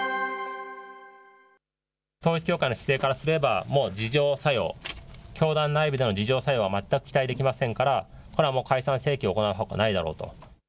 統一教会の姿勢からすれば、もう自浄作用、教団内部での自浄作用は全く期待できませんから、これはもう解散請求を行うほかないだろうと。